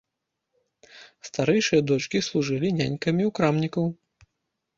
Старэйшыя дочкі служылі нянькамі ў крамнікаў.